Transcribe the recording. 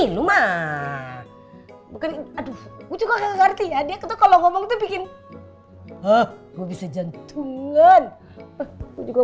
cuma aduh juga ngerti ya dia kalau ngomong bikin hah bisa jantungan juga